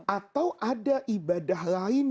atau ada ibadah lain